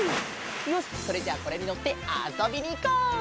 よしそれじゃあこれにのってあそびにいこう！